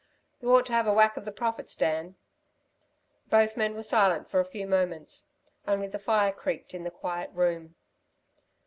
You ought to have a whack of the profits, Dan." Both men were silent for a few moments. Only the fire creaked in the quiet room.